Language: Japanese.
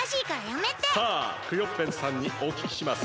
さあクヨッペンさんにおききします。